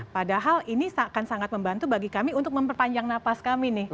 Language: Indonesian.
padahal ini akan sangat membantu bagi kami untuk memperpanjang napas kami nih